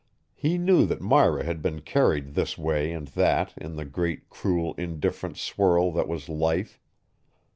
He knew that Myra had been carried this way and that in the great, cruel, indifferent swirl that was life.